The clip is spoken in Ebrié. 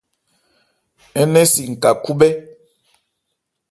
Ń nɛn si n ka khúbhɛ́.